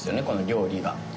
この料理が。